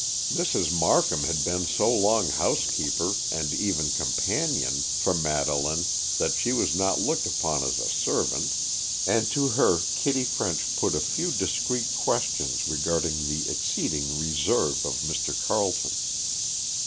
Mrs. Markham had been so long housekeeper, and even companion, for Madeleine that she was not looked upon as a servant, and to her Kitty French put a few discreet questions regarding the exceeding reserve of Mr. Carleton.